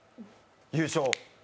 優勝。